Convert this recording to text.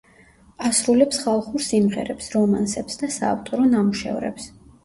ასრულებს ხალხურ სიმღერებს, რომანსებს და საავტორო ნამუშევრებს.